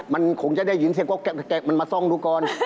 มันคงจะได้ยินเสียงแก๊กมันมาซ่องดูก่อน